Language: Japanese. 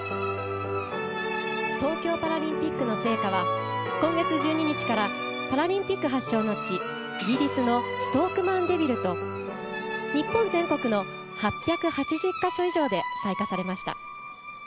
東京パラリンピックの聖火は今月１２日からパラリンピック発祥の地イギリスのストーク・マンデビルと日本全国の８８０か所以上で採火されました。